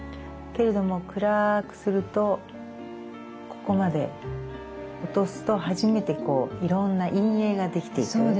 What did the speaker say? けれども暗くするとここまで落とすと初めてこういろんな陰影ができていく。